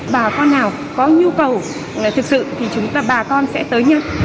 bà con nào có nhu cầu thực sự thì bà con sẽ tới nhận